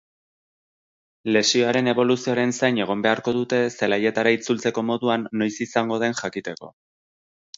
Lesioaren eboluzioaren zain egon beharko dute zelaietara itzultzeko moduan noiz izango den jakiteko.